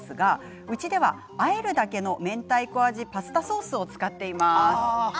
うちでは、あえるだけのめんたいこ味パスタソースを使っています。